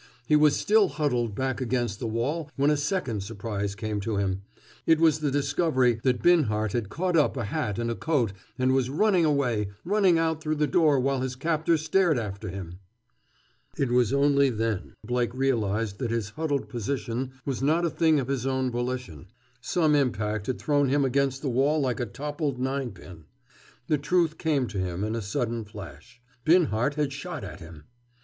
He was still huddled back against the wall when a second surprise came to him. It was the discovery that Binhart had caught up a hat and a coat, and was running away, running out through the door while his captor stared after him. It was only then Blake realized that his huddled position was not a thing of his own volition. Some impact had thrown him against the wall like a toppled nine pin. The truth came to him, in a sudden flash; Binhart had shot at him.